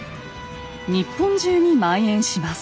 日本中に蔓延します。